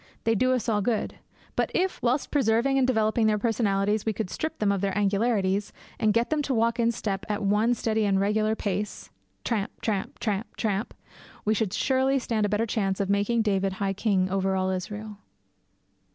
They do us all good. But if, whilst preserving and developing their personalities, we could strip them of their angularities, and get them to walk in step at one steady and regular pace tramp! tramp! tramp! tramp! we should surely stand a better chance of making David king over all Israel!